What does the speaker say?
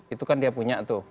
itu kan dia punya tuh